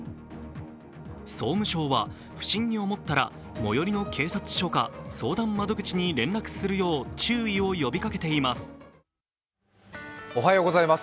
総務省は、不審に思ったら最寄りの警察署か相談窓口に連絡するよう注意を呼びかけています。